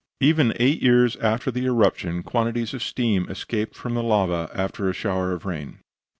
Even eight years after the eruption quantities of steam escaped from the lava after a shower of rain.